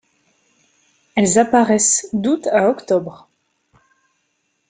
Elles apparaissent d'août à octobre.